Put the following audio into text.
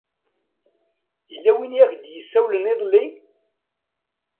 Yella win i ak-d-yessawlen iḍelli?